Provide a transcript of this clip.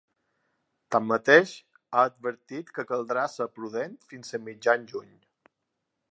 Tanmateix, ha advertit que caldrà ser prudent fins a mitjan juny.